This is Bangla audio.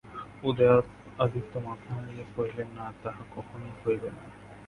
উদয়াদিত্য মাথা নাড়িয়া কহিলেন, না, তাহা কখনোই হইবে না।